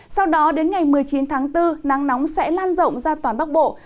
sau đó đến ngày một mươi chín tháng bốn nắng nóng sẽ lan rộng ra toàn bắc bộ